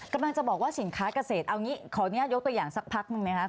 กำลังจะบอกว่าสินค้าเกษตรเอางี้ขออนุญาตยกตัวอย่างสักพักหนึ่งนะคะ